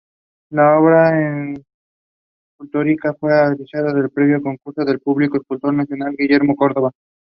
They are also unusual in having prominent eyespots.